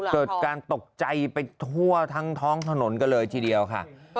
เกิดการตกใจไปทั่วทั้งท้องถนนกันเลยทีเดียวค่ะ